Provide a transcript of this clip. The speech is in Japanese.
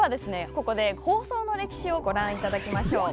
ここで放送の歴史をご覧いただきましょう。